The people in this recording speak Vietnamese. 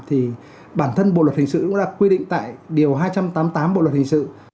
thì bản thân bộ luật hình sự cũng là quy định tại điều hai trăm tám mươi tám bộ luật hình sự